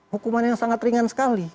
hukuman yang sangat ringan sekali